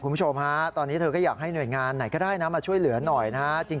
คุณผู้ชมฮะตอนนี้เธอก็อยากให้หน่วยงานไหนก็ได้นะมาช่วยเหลือหน่อยนะฮะ